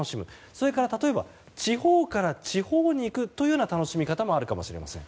それから例えば地方から地方に行くというような楽しみ方もあるかもしれません。